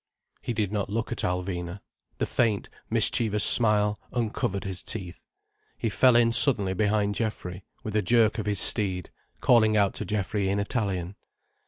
He did not look at Alvina. The faint, mischievous smile uncovered his teeth. He fell in suddenly behind Geoffrey, with a jerk of his steed, calling out to Geoffrey in Italian.